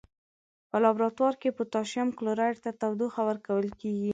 په لابراتوار کې پوتاشیم کلوریت ته تودوخه ورکول کیږي.